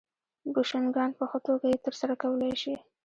بوشونګان په ښه توګه یې ترسره کولای شي